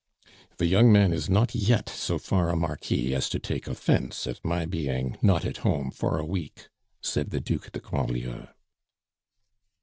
"The young man is not yet so far a Marquis as to take offence at my being 'Not at home' for a week," said the Duc de Grandlieu.